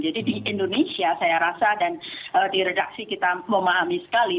jadi di indonesia saya rasa dan di redaksi kita memahami sekali